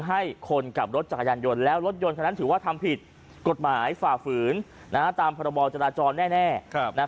คงไม่เอาผิดเหรอฮ่านั้นไม่เป็นไรเชื่อว่าคงทำไปเพราะว่าไม่รู้มากกว่า